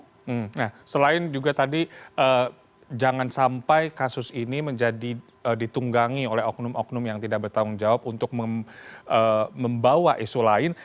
nah selain juga tadi jangan sampai kasus ini menjadi ditunggangi oleh oknum oknum yang tidak bertanggung jawab untuk membawa isu lain